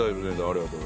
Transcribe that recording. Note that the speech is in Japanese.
ありがとう。